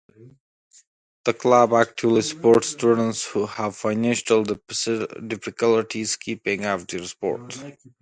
The Club actively supports students who have financial difficulties keeping up their sport.